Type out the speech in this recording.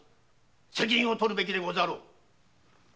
責任をとるべきでござろう。